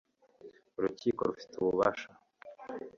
urukiko rufite ububasha